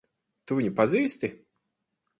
Tu viņu pazīsti?